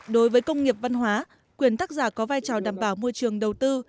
đối với công nghiệp văn hóa quyền tác giả có vai trò đảm bảo môi trường đầu tư